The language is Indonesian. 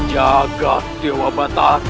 jaga dewa batar